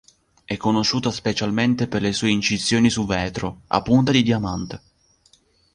È conosciuta specialmente per le sue incisioni su vetro a punta di diamante.